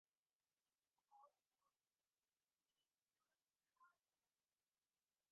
আগামী প্রজন্ম যাতে সুরক্ষিত থাকে, সেই প্রত্যয় নিয়ে ডায়াবেটিসের বিরুদ্ধে লড়াই চলেছিল।